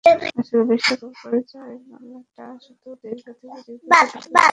আসল বিশ্বকাপে পরাজয়ের মালাটা শুধু দীর্ঘ থেকে দীর্ঘতরই হয়েছে এখন পর্যন্ত।